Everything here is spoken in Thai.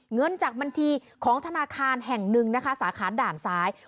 เงินจากบัญชีของธนาคารแห่งหนึ่งนะคะสาขาด่านซ้าย